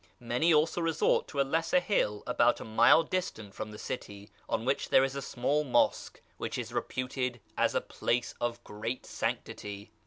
Many also resort to a lesser hill, about a mile distant from the city, on which there is a small Mosque, which is reputed as a place of great sanctity.